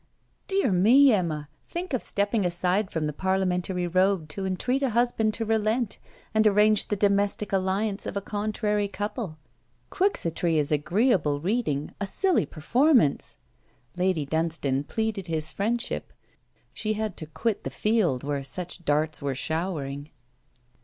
'Dear me, Emma! think of stepping aside from the parliamentary road to entreat a husband to relent, and arrange the domestic alliance of a contrary couple! Quixottry is agreeable reading, a silly performance.' Lady Dunstane pleaded his friendship. She had to quit the field where such darts were showering.